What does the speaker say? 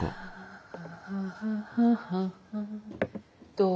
どう？